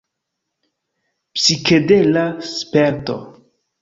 Psikedela sperto!